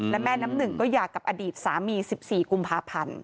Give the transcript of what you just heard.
และแม่น้ำหนึ่งก็หย่ากับอดีตสามี๑๔กุมภาพันธ์